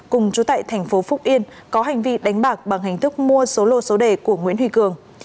cùng chú tại thành phố phúc yên có hành vi đánh bạc bằng hình thức mua số lô số đề của nguyễn huy cường